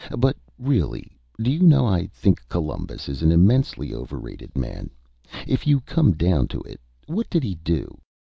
But, really, do you know I think Columbus is an immensely overrated man. If you come down to it, what did he do?